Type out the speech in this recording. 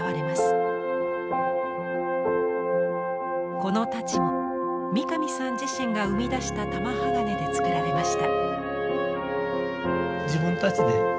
この太刀も三上さん自身が生み出した玉鋼でつくられました。